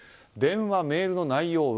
電話、メールの内容